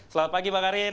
selamat pagi mbak karin